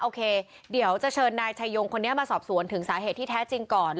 โอเคเดี๋ยวจะเชิญนายชายงคนนี้มาสอบสวนถึงสาเหตุที่แท้จริงก่อน